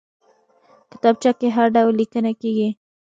کتابچه کې هر ډول لیکنه کېږي